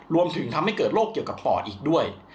รวมถึงทำให้เกิดโรคเกี่ยวกับปอดอีกด้วย